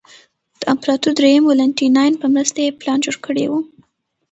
د امپراتور درېیم والنټیناین په مرسته یې پلان جوړ کړی و